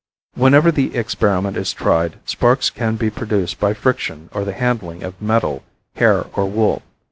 Whenever the experiment is tried, sparks can be produced by friction or the handling of metal, hair or wool.